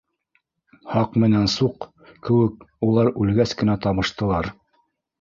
Һаҡ менән Суҡ кеүек улар үлгәс кенә табыштылар...